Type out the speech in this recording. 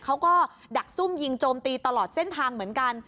ดักซุ่มยิงโจมตีตลอดเส้นทางเหมือนกัน